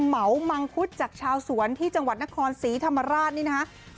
เหมามังคุดจากชาวสวนที่จังหวัดนครศรีธรรมราชนี่นะคะ